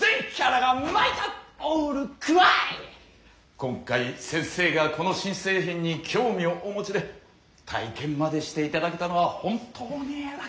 今回先生がこの新製品に興味をお持ちで体験までしていただけたのは本当にラッキーでした。